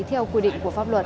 theo quy định của pháp luật